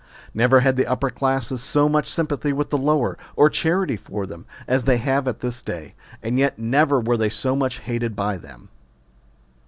Never had the upper classes so much sympathy with the lower, or charity for them, as they have at this day, and yet never were they so much hated by them.